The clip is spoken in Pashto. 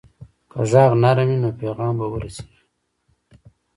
که غږ نرم وي، نو پیغام به ورسیږي.